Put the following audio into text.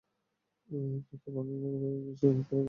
যাতে ভালো নাটক তৈরি করা যায়, সেই সক্ষমতা অর্জন করতে হবে।